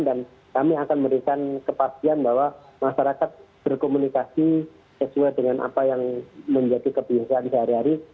dan kami akan memberikan kepastian bahwa masyarakat berkomunikasi sesuai dengan apa yang menjadi kebiasaan di hari hari